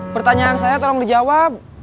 pertanyaan saya tolong dijawab